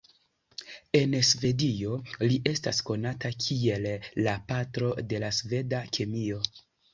En Svedio li estas konata kiel la patro de la sveda kemio.